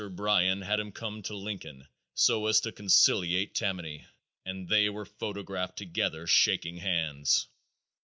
Bryan had him come to Lincoln so as to conciliate Tammany, and they were photographed together shaking hands.